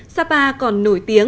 sapa còn nổi tiếng